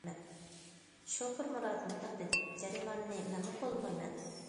شوپۇر مۇرات مۇنداق دېدى:- جەرىمانىنى مەنمۇ قوللىمايمەن.